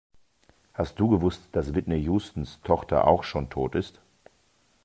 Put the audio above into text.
Hast du gewusst, dass Whitney Houstons Tochter auch schon tot ist?